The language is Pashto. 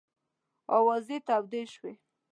آوازې تودې شوې.